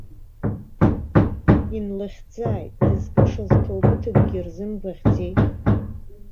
Инлыхьӡааит, дызкышаз ҭоубыҭкгьы рзымгәаӷьӡеи.